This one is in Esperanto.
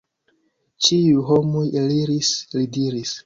Ĉiuj homoj eliris, li diris.